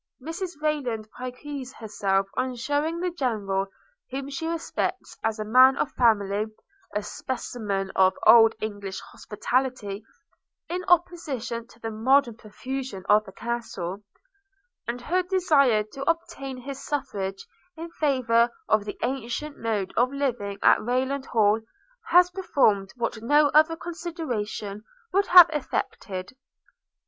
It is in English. Mrs Rayland piques herself on shewing the General, whom she respects as a man of family, a specimen of old English hospitality, in opposition to the modern profusion of the Castle – and her desire to obtain his suffrage in favour of the ancient mode of living at Rayland Hall, has performed what no other consideration would have effected.